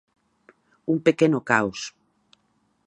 ¡Un pequeno caos!